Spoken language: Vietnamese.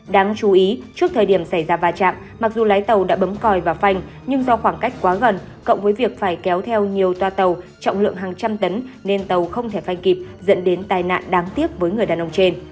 đáng chú ý trước thời điểm xảy ra va chạm mặc dù lái tàu đã bấm còi và phanh nhưng do khoảng cách quá gần cộng với việc phải kéo theo nhiều toa tàu trọng lượng hàng trăm tấn nên tàu không thể phanh kịp dẫn đến tai nạn đáng tiếc với người đàn ông trên